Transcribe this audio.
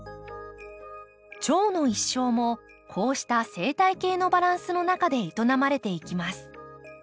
チョウの一生もこうした生態系のバランスの中で営まれていきます。